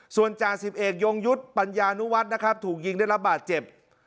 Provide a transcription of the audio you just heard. ส่วนจ่าสิบเอกยงยุทธ์ปัญญานุวัฒน์นะครับถูกยิงได้รับบาดเจ็บ